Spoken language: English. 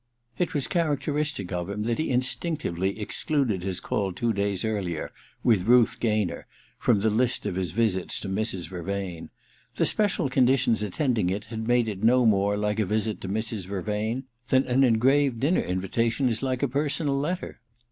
It was characteristic of him that he instinctively ex cluded his call two days earlier, with Ruth Gaynor, from the list of his visits to Mrs. Vervain : the special conditions attending it had made it no more like a visit to Mrs. Vervain I than an engraved dinner invitation is like a personal letter.